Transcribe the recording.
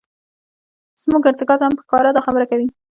زموږ ارتکاز هم په ښکاره دا خبره کوي.